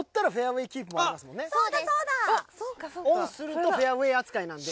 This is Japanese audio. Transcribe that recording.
オンするとフェアウェイ扱いなんで。